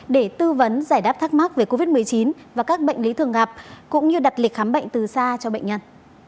để tư vấn giải đáp thắc mắc về covid một mươi chín và các bệnh lý thường gặp cũng như đặt lịch khám bệnh từ xa cho bệnh nhân